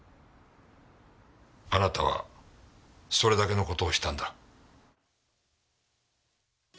あなたはそれだけの事をしたんだ。